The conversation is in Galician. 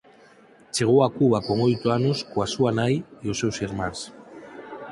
Chegou a Cuba con oito anos coa súa nai e os seus irmáns.